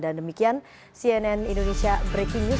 dan demikian cnn indonesia breaking news